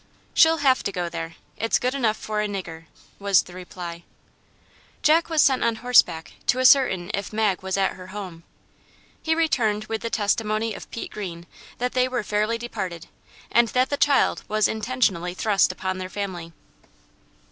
"She'll have to go there; it's good enough for a nigger," was the reply. Jack was sent on horseback to ascertain if Mag was at her home. He returned with the testimony of Pete Greene that they were fairly departed, and that the child was intentionally thrust upon their family.